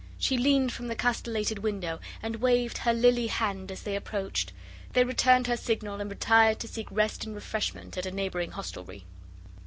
She leaned from the castellated window and waved her lily hand as they approached. They returned her signal, and retired to seek rest and refreshment at a neighbouring hostelry.